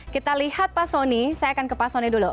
kita lihat pak soni saya akan ke pak soni dulu